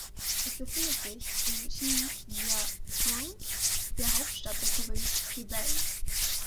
Es befindet sich in Shijiazhuang, der Hauptstadt der Provinz Hebei.